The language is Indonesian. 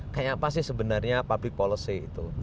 kayak apa sih sebenarnya public policy itu